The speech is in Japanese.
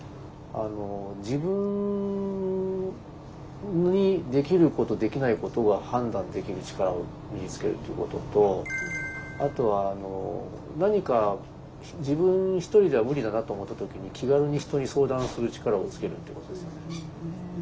自分にできることできないことが判断できる力を身につけるということとあとは何か自分ひとりでは無理だなと思った時に気軽に人に相談する力をつけるっていうことですよね。